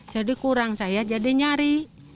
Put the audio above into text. jadi kurang saya jadi nyari